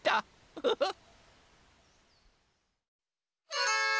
フフッ！